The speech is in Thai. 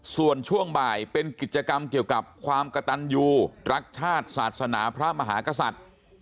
ส่วนช่วงบ่ายเป็นกิจกรรมเกี่ยวกับความกระตันยูรักชาติศาสนาพระมหากษัตริย์